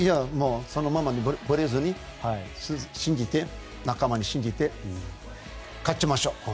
そのままぶれずに仲間を信じて、勝ちましょう！